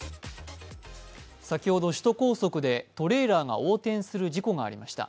先ほど首都高速でトレーラーが横転する事故がありました。